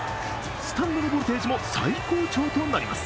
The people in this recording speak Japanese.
スタンドのボルテージも最高潮となります。